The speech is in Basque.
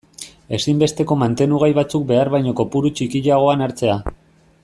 Ezinbesteko mantenugai batzuk behar baino kopuru txikiagoan hartzea.